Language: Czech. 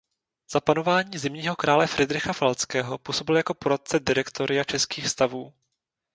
Za panování zimního krále Fridricha Falckého působil jako poradce direktoria českých stavů.